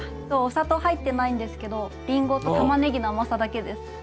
そうお砂糖入ってないんですけどりんごとたまねぎの甘さだけです。